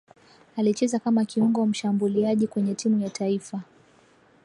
Alicheza kama Kiungo mshambuliaji kwenye timu ya taifa